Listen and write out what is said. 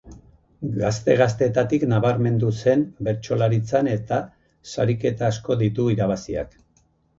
Gazte gaztetatik nabarmendu zen bertsolaritzan eta sariketa asko ditu irabaziak.